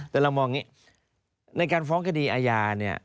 แต่เรามองอย่างนี้ในการฟ้องคดีอาญาเนี่ย